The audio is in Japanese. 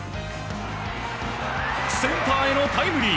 センターへのタイムリー！